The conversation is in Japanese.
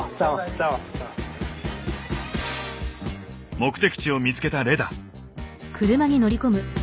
目的地を見つけたレダ。